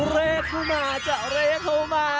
เรียกเข้ามาจะเรียกเขามา